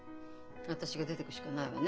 私が出てくしかないわね。